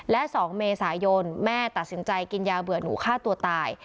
และ๒เมษายนแม่ตัดสินใจกินยาเบื่อหนูฆ่าตัวตาย